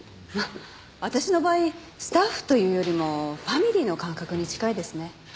まあ私の場合スタッフというよりもファミリーの感覚に近いですね。